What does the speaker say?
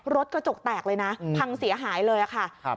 กระจกแตกเลยนะพังเสียหายเลยค่ะ